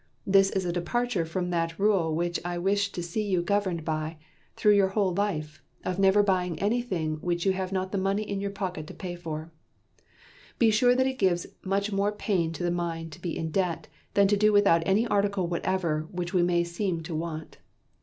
This is a departure from that rule which I wish to see you governed by, thro' your whole life, of never buying anything which you have not the money in your pocket to pay for. "Be sure that it gives much more pain to the mind to be in debt than to do without any article whatever which we may seem to want.